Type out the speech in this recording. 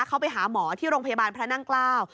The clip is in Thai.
เขาไปหาหมอที่โรงพยาบาลพระนั่งเกล้า